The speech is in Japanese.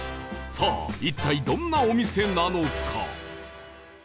さあ一体どんなお店なのか？